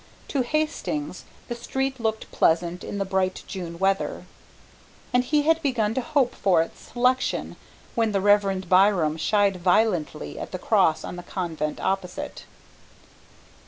To Hastings the street looked pleasant in the bright June weather, and he had begun to hope for its selection when the Reverend Byram shied violently at the cross on the Convent opposite.